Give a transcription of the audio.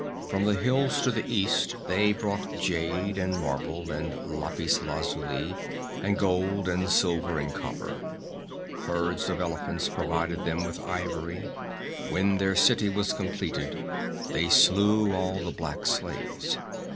From the hills to the east they brought jade and marble and lapis lazuli, and gold, silver and copper. Herds of elephants provided them with ivory. When their city was completed, they slew all the black slaves.